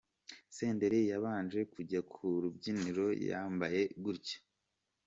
Senderi yabanje kujya ku rubyiniro yambaye gutya .